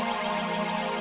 sini kita balik lagi